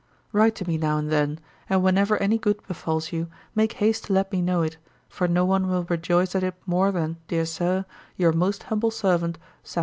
'Write to me now and then; and whenever any good befalls you, make haste to let me know it, for no one will rejoice at it more than, dear Sir, 'Your most humble servant, 'SAM.